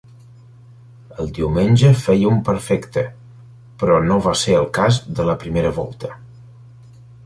El diumenge feia un perfecte, però no va ser el cas de la primera volta.